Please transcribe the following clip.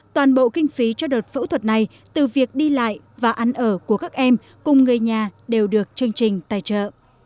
toàn bộ kinh phí cho đợt phẫu thuật này từ việc đi lại và ăn ở của các em cùng người nhà đều được chương trình tài trợ